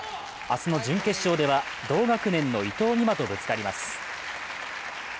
明日の準決勝では同学年の伊藤美誠とぶつかります。